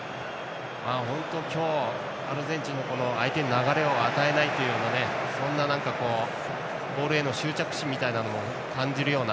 本当、今日はアルゼンチンの相手に流れを与えないというそんなボールへの執着心を感じるような。